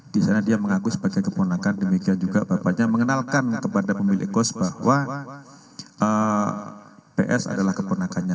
di sana dia mengaku sebagai keponakan demikian juga bapaknya mengenalkan kepada pemilik kos bahwa ps adalah keponakannya